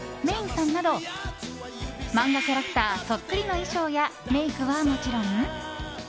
Ｍａｙ’ｎさんなど漫画キャラクターそっくりの衣装やメイクはもちろん。